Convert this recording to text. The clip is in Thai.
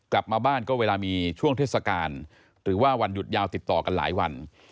กลับมาบ้านก็เวลามีช่วงเทศกาลหรือว่าวันหยุดยาวติดต่อกันหลายวัน